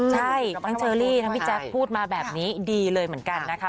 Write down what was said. ใช่ทั้งเชอรี่ทั้งพี่แจ๊คพูดมาแบบนี้ดีเลยเหมือนกันนะคะ